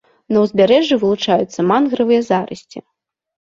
На ўзбярэжжы вылучаюцца мангравыя зарасці.